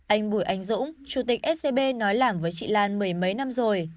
anh bùi anh dũng chủ tịch scb nói làm với chị lan mười mấy năm rồi